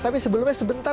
tapi sebelumnya sebentar